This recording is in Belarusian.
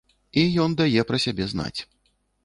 І ён дае пра сябе знаць.